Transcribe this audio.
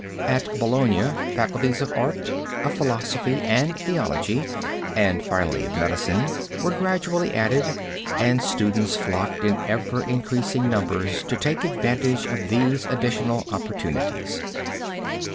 At Bologna faculties of arts, of philosophy and theology, and finally of medicine, were gradually added, and students flocked in ever increasing numbers to take advantage of these additional opportunities.